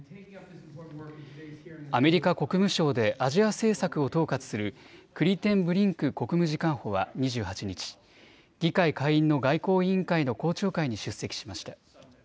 アメリカ国務省でアジア政策を統括するクリテンブリンク国務次官補は２８日、議会下院の外交委員会の公聴会に出席しました。